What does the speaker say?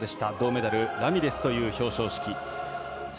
銅メダルラミレスという表彰式。